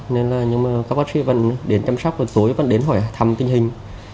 nên là các bác sĩ vẫn đến chăm sóc tối vẫn đến hỏi thăm kinh hình